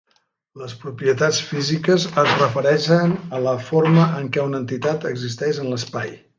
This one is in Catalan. Les propietats físiques es refereixen a la forma en què una entitat existeix en l'espai.